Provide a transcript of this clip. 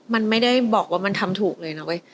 มันไม่ได้บอกว่ามันทำถูกเลยนะเว้ย